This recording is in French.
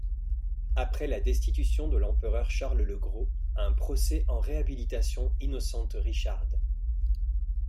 Après la destitution de l'empereur Charles le Gros, un procès en réhabilitation innocente Richarde.